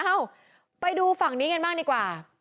เอ้าไปดูฝั่งนี้กันบ้างดีกว่า